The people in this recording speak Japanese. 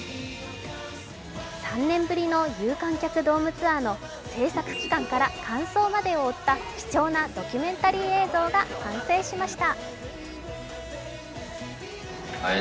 ３年ぶりの有観客ドームツアーの製作期間から完走までを追った貴重なドキュメンタリー映像が完成しました。